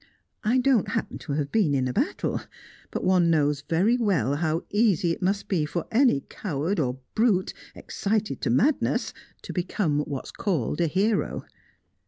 I don't happen to have been in a battle, but one knows very well how easy it must be for any coward or brute, excited to madness, to become what's called a hero.